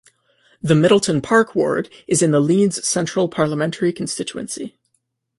The Middleton Park ward is in the Leeds Central parliamentary constituency.